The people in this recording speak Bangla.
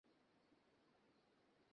আমরা যা ইচ্ছা তাই করব।